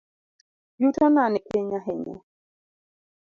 Yutona nipiny ahinya.